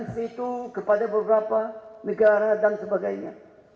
diberikan fitur kepada beberapa negara dan sebagainya